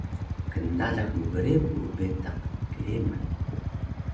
Kndalax mgrebu betaq keeman